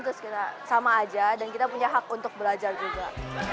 terus kita sama aja dan kita punya hak untuk belajar juga